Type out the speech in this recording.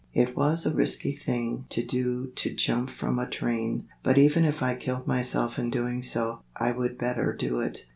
It was a risky thing to do to jump from a train, but even if I killed myself in doing so, I would better do it.